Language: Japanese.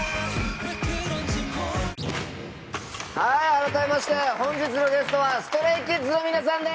改めまして本日のゲストはＳｔｒａｙＫｉｄｓの皆さんです。